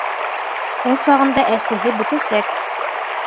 Ул сағында әсеһе бөтәсәк.